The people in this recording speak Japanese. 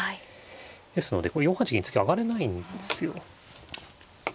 ですのでこれ４八銀次上がれないんですよ。